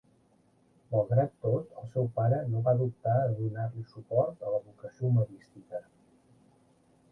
Malgrat tot, el seu pare no va dubtar a donar-li suport en la vocació humanística.